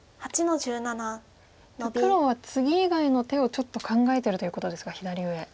黒はツギ以外の手をちょっと考えてるということですか左上。